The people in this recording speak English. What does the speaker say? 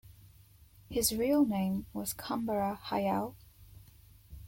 His real name was Kambara Hayao.